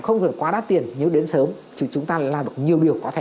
không cần quá đắt tiền nếu đến sớm chứ chúng ta lại làm được nhiều điều có thể